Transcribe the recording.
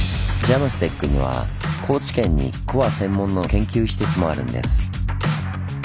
ＪＡＭＳＴＥＣには高知県にコア専門の研究施設もあるんです。